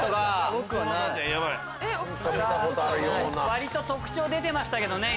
割と特徴出てましたけどね